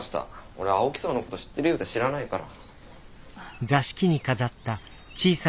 俺青木荘のこと知ってるようで知らないから。